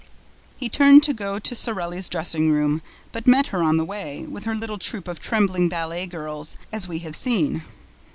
He turned to go to Sorelli's dressing room, but met her on the way, with her little troop of trembling ballet girls, as we have seen.